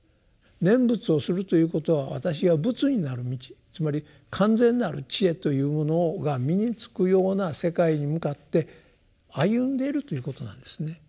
念仏をするということは私が仏になる道つまり完全なる智慧というものが身に付くような世界に向かって歩んでいるということなんですね。